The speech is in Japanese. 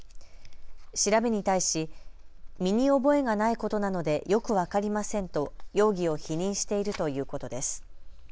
調べに対し身に覚えがないことなのでよく分かりませんと容疑を否認しているということです。